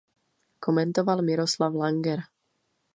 Komentoval Miroslav Langer.